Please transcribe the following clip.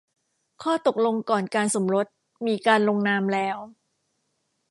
ข้อตกลงก่อนการสมรสมีการลงนามแล้ว